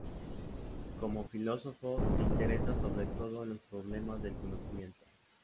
Como filósofo, se interesa sobre todo en los problemas del conocimiento.